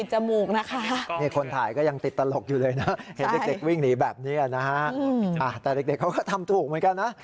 เห็นเด็กวิ่งหนีแบบนี้แต่เด็กเขาก็ทำถูกเหมือนกันนะ